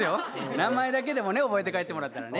名前だけでもね覚えて帰ってもらったらね